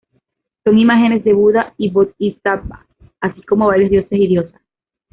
Son imágenes de Buda y bodhisattvas, así como varios dioses y diosas.